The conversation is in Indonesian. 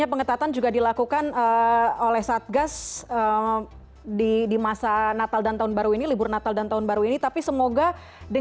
yang terakhir adalah kekuatan waktu terlepas mungkin